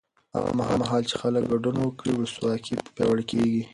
هغه مهال چې خلک ګډون وکړي، ولسواکي پیاوړې کېږي.